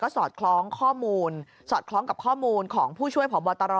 สอดคล้องข้อมูลสอดคล้องกับข้อมูลของผู้ช่วยพบตร